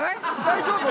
大丈夫？